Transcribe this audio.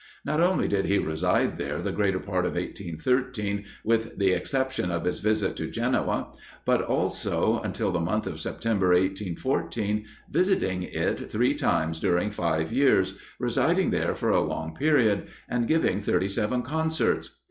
Not only did he reside there the greater part of 1813, with the exception of his visit to Genoa, but also, until the month of September, 1814, visiting it three times during five years, residing there for a long period, and giving thirty seven concerts.